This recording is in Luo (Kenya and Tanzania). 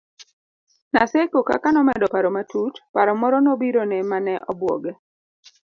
Naseko kaka nomedo paro matut, paro moro nobirone mane obwoge